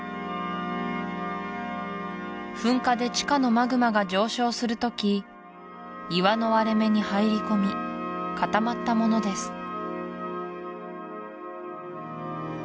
噴火で地下のマグマが上昇する時岩の割れ目に入り込み固まったものです